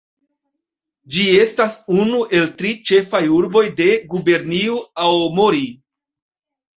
Ĝi estas unu el tri ĉefaj urboj de Gubernio Aomori.